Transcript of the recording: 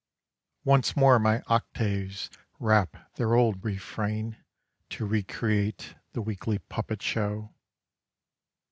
Once more my octaves rap their old refrain To re create the weekly puppet show.